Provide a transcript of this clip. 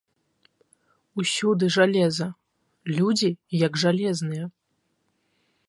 Усюды жалеза, людзі як жалезныя.